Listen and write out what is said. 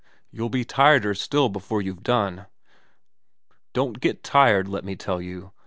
You'll be tireder still before you've done. / don't get tired, let me tell you.